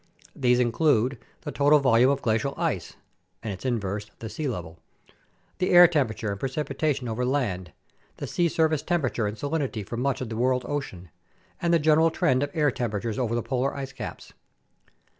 These in clude the total volume of glacial ice (and its inverse, the sea level), the air temperature and precipitation over land, the sea surface temperature and salinity for much of the world ocean, and the general trend of air temperature over the polar ice caps.